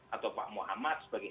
atau pak muhammad sebagai